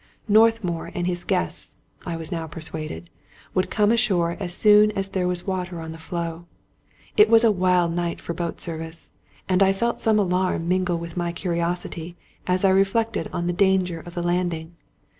Northmour and his guests, I was now persuaded, would come ashore as soon as there was water on the floe. It was a wild night for boat service ; and I felt some alarm mingle with my curiosity as I reflected on the danger of the landing.